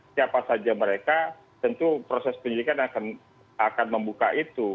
siapa saja mereka tentu proses penyelidikan akan membuka itu